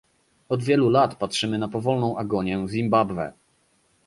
Od wielu lat patrzymy na powolną agonię Zimbabwe